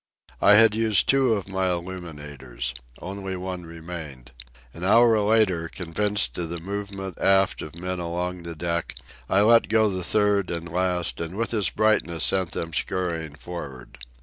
I had used two of my illuminators. Only one remained. An hour later, convinced of the movement aft of men along the deck, I let go the third and last and with its brightness sent them scurrying for'ard.